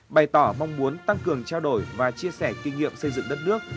bày tỏ mong muốn tăng cường trao đổi và chia sẻ kinh nghiệm xây dựng đất nước